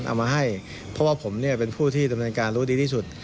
เอามาให้เพราะว่าผมเป็นผู้บุกรุกติดตามการรู้ดีที่สุด